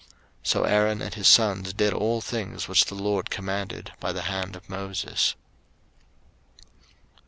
03:008:036 So Aaron and his sons did all things which the LORD commanded by the hand of Moses.